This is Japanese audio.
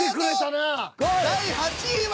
第８位は。